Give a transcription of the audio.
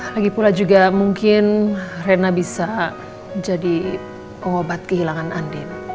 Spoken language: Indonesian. lagipula juga mungkin rena bisa jadi pengobat kehilangan andin